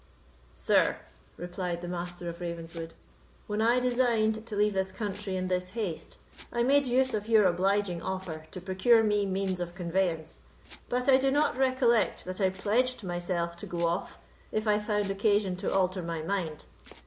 "Sir," replied the Master of Ravenswood, "when I designed to leave this country in this haste, I made use of your obliging offer to procure me means of conveyance; but I do not recollect that I pledged myself to go off, if I found occasion to alter my mind.